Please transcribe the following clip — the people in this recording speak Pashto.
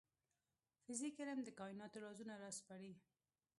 فزیک علم د کایناتو رازونه راسپړي